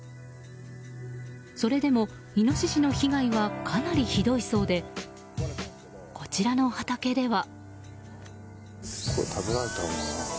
それでもイノシシの被害はかなりひどいそうでこちらの畑では。